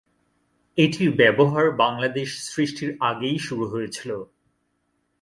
এটির ব্যবহার বাংলাদেশ সৃষ্টির আগেই শুরু হয়েছিল।